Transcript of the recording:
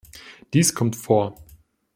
Dies kommt vor.